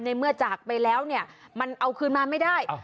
เมื่อจากไปแล้วเนี่ยมันเอาคืนมาไม่ได้